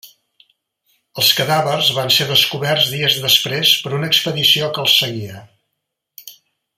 Els cadàvers van ser descoberts dies després per una expedició que els seguia.